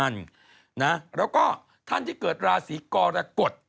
แล้วก็ท่านที่เกิดราศีกรกฎ